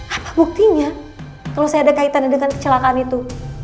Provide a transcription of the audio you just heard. apa buktinya kalau saya ada kaitannya dengan kecelakaan itu